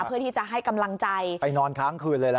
เพื่อที่จะให้กำลังใจไปนอนค้างคืนเลยล่ะ